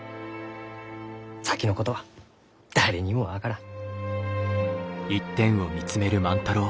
先のことは誰にも分からん。